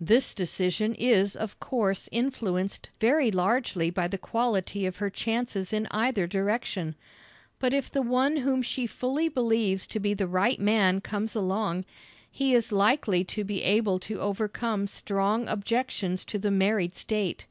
This decision is of course influenced very largely by the quality of her chances in either direction, but if the one whom she fully believes to be the right man comes along, he is likely to be able to overcome strong objections to the married state.